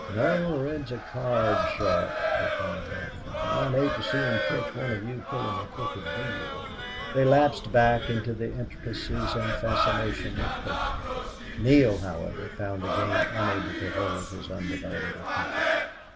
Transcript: "No. Red's a card sharp," replied Hough. "And I'd hate to see him catch one of you pulling a crooked deal." They lapsed back into the intricacies and fascination of poker. Neale, however, found the game unable to hold his undivided attention.